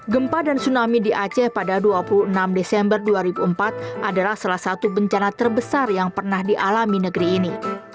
gempa dan tsunami di aceh pada dua puluh enam desember dua ribu empat adalah salah satu bencana terbesar yang pernah dialami negeri ini